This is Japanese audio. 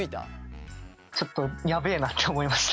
ちょっとやべえなって思いました。